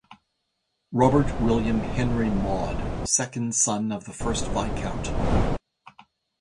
Robert William Henry Maude, second son of the first Viscount.